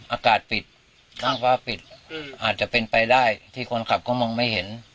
อากาศปิดนั่งฟ้าปิดอาจจะเป็นไปได้ที่คนขับก็มองไม่เห็น